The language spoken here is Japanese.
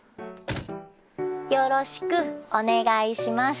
よろしくお願いします。